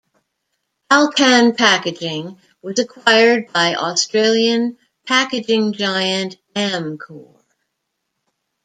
Alcan Packaging was acquired by Australian packaging giant Amcor.